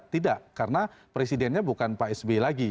tidak karena presidennya bukan pak sby lagi